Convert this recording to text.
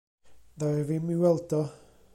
Ddaru fi 'm i weld o.